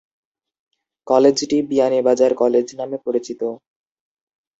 কলেজটি "বিয়ানীবাজার কলেজ" নামে পরিচিত।